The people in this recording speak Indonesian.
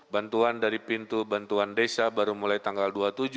bantuan dari pintu bantuan desa baru mulai tanggal dua puluh tujuh